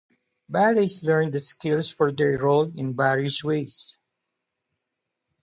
Valets learned the skills for their role in various ways.